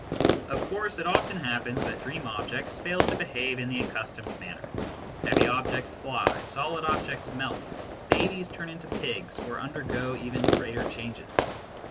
Of course it often happens that dream objects fail to behave in the accustomed manner : heavy objects fly, solid objects melt, babies turn into pigs or undergo even greater changes.